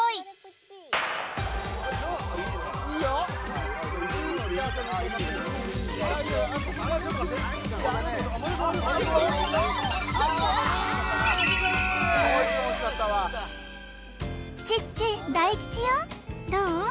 よーいチッチ大吉よどう？